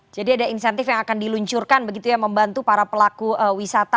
jadi ada insentif yang akan diluncurkan begitu ya membantu para pelaku wisata